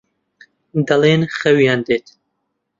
دەڵێن خەویان دێت.